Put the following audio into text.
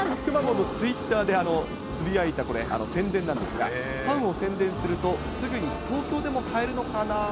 くまモンのツイッターでつぶやいたこれ、宣伝なんですが、パンを宣伝すると、すぐに東京でも買えるのかな？